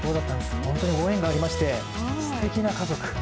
本当にご縁がありまして、すてきな家族。